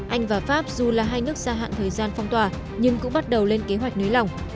anh và pháp dù là hai nước gia hạn thời gian phong tỏa nhưng cũng bắt đầu lên kế hoạch nới lỏng